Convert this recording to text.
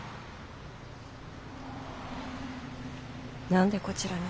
何でこちらに？